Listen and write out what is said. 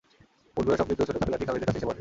উট-ঘোড়া সমৃদ্ধ ছোট কাফেলাটি খালিদের কাছে এসে পড়ে।